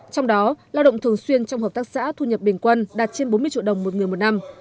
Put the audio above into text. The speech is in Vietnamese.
trong đó lao động thường xuyên trong hợp tác xã thu nhập bình quân đạt trên bốn mươi triệu đồng một người một năm